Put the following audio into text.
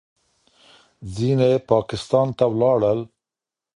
ځینې پاکستان ته ولاړل.